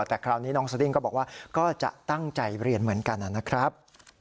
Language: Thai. แต่คราวนี้น้องสดิ้งก็บอกว่าก็จะตั้งใจเรียนเหมือนกันนะครับ